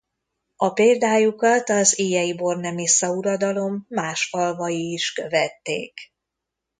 A példájukat az illyei Bornemisza-uradalom más falvai is követték.